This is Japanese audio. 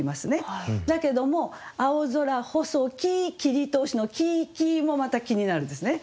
だけども「青空細き切通し」の「き」「き」もまた気になるんですね。